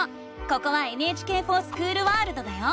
ここは「ＮＨＫｆｏｒＳｃｈｏｏｌワールド」だよ！